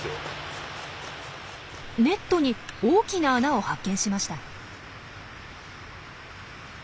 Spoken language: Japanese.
ネットに大きな穴を発見しました。